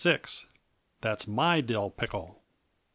"_That's My Dill Pickle!